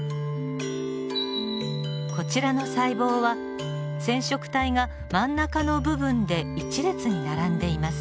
こちらの細胞は染色体が真ん中の部分で１列に並んでいます。